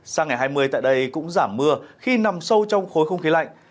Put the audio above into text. sang ngày hai mươi tại đây cũng giảm mưa khi nằm sâu trong khối không khí lạnh